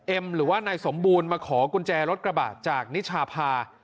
หรือว่านายสมบูรณ์มาขอกุญแจรถกระบะจากนิชาพา